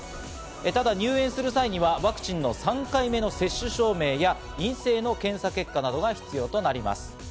ただ入園する際にはワクチンの３回目の接種証明や、陰性の検査結果などが必要となります。